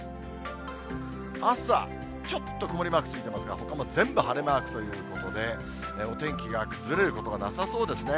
朝、ちょっと曇りマークついてますが、ほか、もう全部晴れマークということで、お天気が崩れることはなさそうですね。